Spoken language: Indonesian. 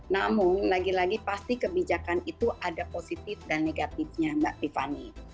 namun lagi lagi pasti kebijakan itu ada positif dan negatifnya mbak tiffany